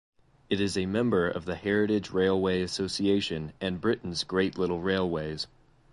It is a member of the Heritage Railway Association and Britains Great Little Railways.